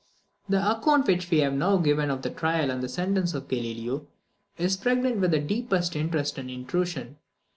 The account which we have now given of the trial and the sentence of Galileo, is pregnant with the deepest interest and instruction.